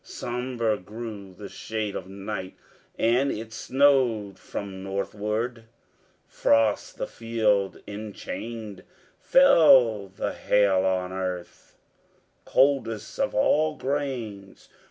Sombre grew the shade of night, and it snowed from northward, Frost the field enchained, fell the hail on earth, Coldest of all grains.